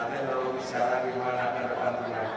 dia mengetahui sekarang gimana ke depan gimana